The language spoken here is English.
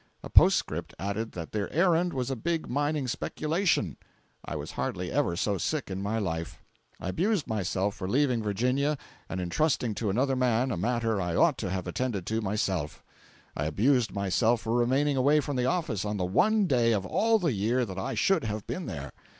A postscript added that their errand was a big mining speculation! I was hardly ever so sick in my life. I abused myself for leaving Virginia and entrusting to another man a matter I ought to have attended to myself; I abused myself for remaining away from the office on the one day of all the year that I should have been there.